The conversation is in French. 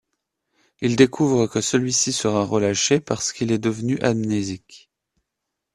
Ils découvrent que celui-ci sera relâché parce qu'il est devenu amnésique.